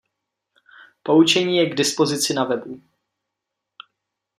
Poučení je k dispozici na webu.